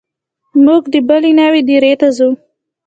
چې موږ د بلې ناوې دايرې ته ځو.